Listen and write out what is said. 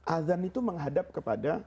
azan itu menghadap kepada